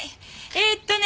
えーっとね